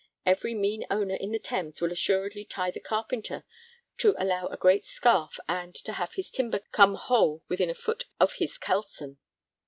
Every mean owner in the Thames will assuredly tie the carpenter to allow a great scarph and to have his timber come whole within a foot of his kelson.